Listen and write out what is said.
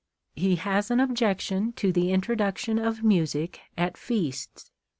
He has an oljjection to the introduction of music at feasts.